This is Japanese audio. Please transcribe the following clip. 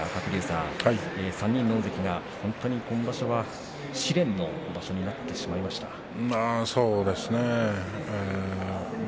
３人の大関が今場所は試練の場所になってしまいましたね。